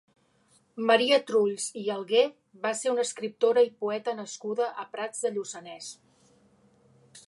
Maria Trulls i Algué va ser una escriptora i poeta nascuda a Prats de Lluçanès.